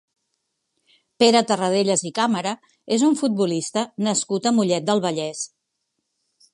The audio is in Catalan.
Pere Tarradellas i Cámara és un futbolista nascut a Mollet del Vallès.